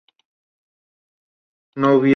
no hubisteis comido